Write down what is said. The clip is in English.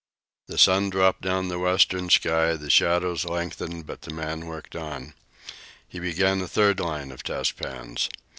The sun dropped down the western sky, the shadows lengthened, but the man worked on. He began a third line of test pans.